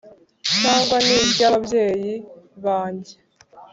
Cyangwa ni iry ababyeyi banjye